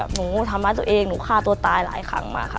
หนูทำร้ายตัวเองหนูฆ่าตัวตายหลายครั้งมาค่ะ